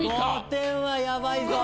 ５点はやばいぞ。